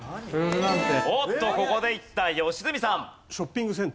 おっとここでいった良純さん。